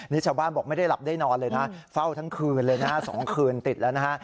นี่ชาวบ้านบอกไม่ได้หลับได้นอนเลยนะเฝ้าทั้งคืนเลยนะฮะ๒คืนติดแล้วนะฮะ